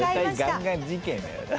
車体ガンガン事件だよな。